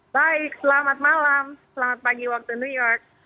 baik selamat malam selamat pagi waktu new york